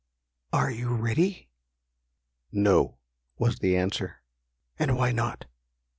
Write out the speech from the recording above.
"Are you ready?" "No!" was the answer. "And why not?"